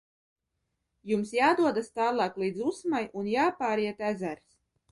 Jums jādodas tālāk līdz Usmai un jāpāriet ezers.